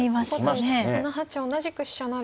後手７八同じく飛車成。